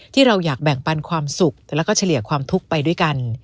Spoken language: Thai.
ที่เราอยากแบ่งปันความสุขแล้วก็เฉลี่ยความทุกข์ไปด้วยกัน